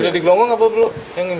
sudah digelonggong apa belum